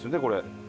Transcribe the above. これ。